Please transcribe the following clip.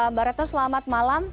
mbak retno selamat malam